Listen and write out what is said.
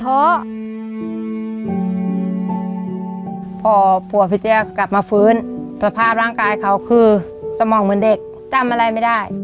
พอผัวพี่เตี้ยกลับมาฟื้นสภาพร่างกายเขาคือสมองเหมือนเด็กจำอะไรไม่ได้